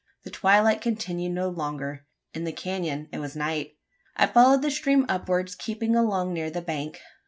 The twilight continued no longer: in the canon it was night. I followed the stream upwards, keeping along near the bank.